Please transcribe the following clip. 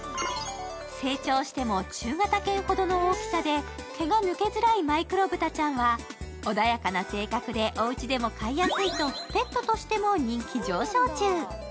成長しても中型犬ほどの大きさで毛が抜けづらいマイクロブタちゃんは穏やかな性格でおうちでも飼いやすいとペットとしても人気上昇中。